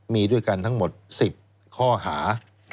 มีด้วยกันทั้งหมด๑๐ข้อหา